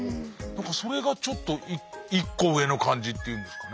なんかそれがちょっと１コ上の感じっていうんですかね。